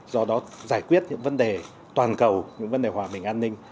do đó giải quyết những vấn đề toàn cầu những vấn đề hòa bình an ninh